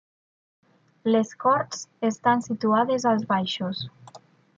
Les corts estan situades als baixos.